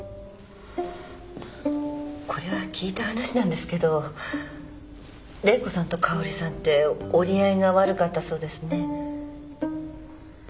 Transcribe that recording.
これは聞いた話なんですけど玲子さんと香織さんって折り合いが悪かったそうですね。